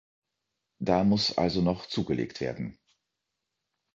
Da muss also noch zugelegt werden.